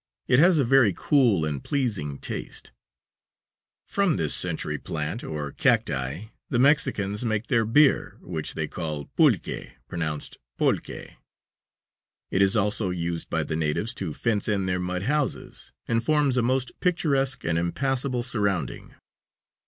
It has a very cool and pleasing taste. From this century plant, or cacti, the Mexicans make their beer, which they call pulque (pronounced polke). It is also used by the natives to fence in their mud houses, and forms a most picturesque and impassable surrounding.